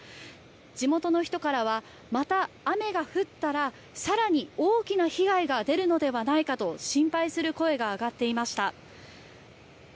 地元の人からはまた雨が降ったら更に大きな被害が出るのではないかと心配する声が上がっていました。